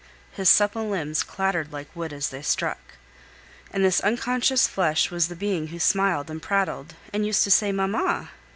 His supple limbs clattered like wood as they struck. And this unconscious flesh was the being who smiled and prattled, and used to say Mamma!